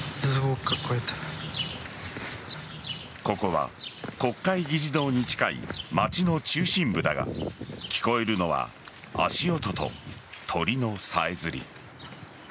ここは国会議事堂に近い街の中心部だが聞こえるのは足音と鳥のさえずり。